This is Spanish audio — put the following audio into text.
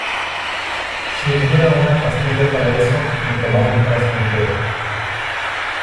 si hubiera una pastilla para eso, me tomaba el frasco entero.